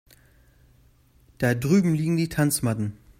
Da drüben liegen die Tanzmatten.